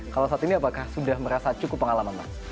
kalau saat ini apakah sudah merasa cukup pengalaman mas